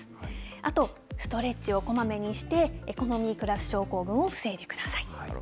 あと、ストレッチをこまめにして、エコノミークラス症候群を防いでください。